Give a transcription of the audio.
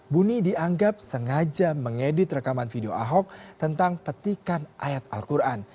buni dianggap sengaja mengedit rekaman video ahok tentang petikan ayat al quran